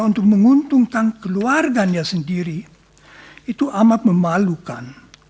untuk menguntungkan keluarganya sendiri itu amat memalukan